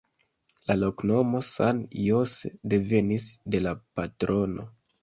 La loknomo San Jose devenis de la patrono.